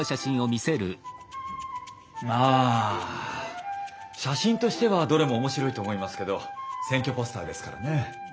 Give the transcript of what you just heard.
ああ写真としてはどれも面白いと思いますけど選挙ポスターですからね。